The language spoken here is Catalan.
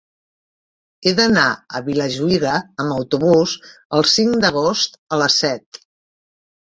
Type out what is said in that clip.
He d'anar a Vilajuïga amb autobús el cinc d'agost a les set.